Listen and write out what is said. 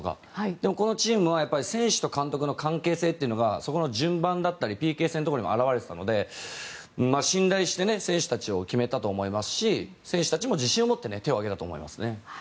でもこのチームは選手と監督の関係性がそこの順番だったり、ＰＫ戦にも表れていたので信頼して選手を決めたと思いますし選手たちも自信を持って手を挙げたと思いますね。